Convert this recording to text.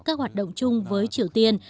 các hoạt động chung với triều tiên